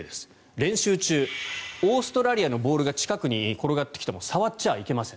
練習中オーストラリアのボールが近くに転がってきても触っちゃいけません。